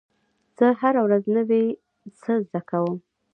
زه هره ورځ نوی څه زده کوم.